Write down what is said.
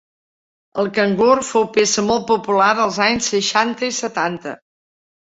El cangur fou peça molt popular als anys seixanta i setanta.